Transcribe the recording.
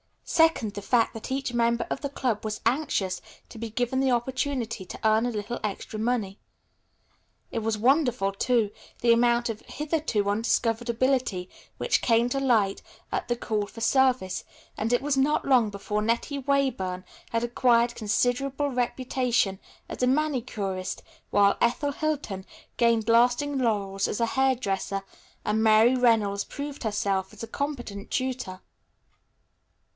Second the fact that each member of the club was anxious to be given the opportunity to earn a little extra money. It was wonderful, too, the amount of hitherto undiscovered ability which came to light at the call for service, and it was not long before Nettie Weyburn had acquired considerable reputation as a manicurist, while Ethel Hilton gained lasting laurels as a hair dresser and Mary Reynolds proved herself a competent tutor.